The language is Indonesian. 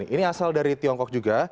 ini asal dari tiongkok juga